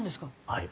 はい。